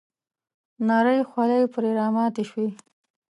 نرۍ خولې پر راماتې شوې .